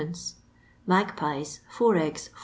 Magpies, four eggs, id.